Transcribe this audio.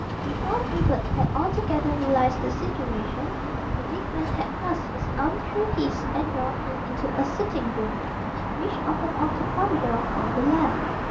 Before Hubert had altogether realised the situation, the big man had thrust his arm through his, and drawn him into a sitting room which opened off the corridor from the left.